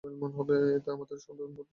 এতে আমাদের সাধনপথে খুব সাহায্য হয়ে থাকে।